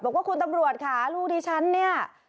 บอกว่าคุณตำรวจค่ะลูกดิฉันเนี่ย